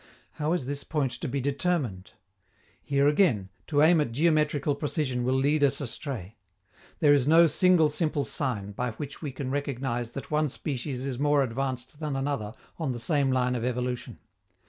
How is this point to be determined? Here again, to aim at geometrical precision will lead us astray. There is no single simple sign by which we can recognize that one species is more advanced than another on the same line of evolution.